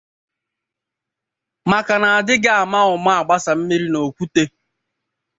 maka na a dịghị ama ụma agbasa mmiri n'okwute.